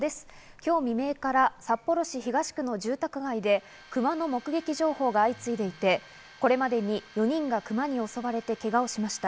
今日未明から札幌市東区の住宅街でクマの目撃情報が相次いでいて、これまでに４人がクマに襲われてけがをしました。